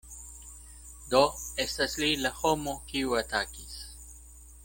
Do estas li la homo, kiu atakis.